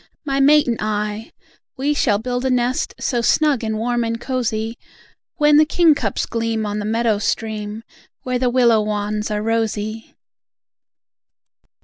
My mate and I, we shall build a nest, So snug and warm and cosy, When the kingcups gleam on the meadow stream, Where the willow wands are rosy!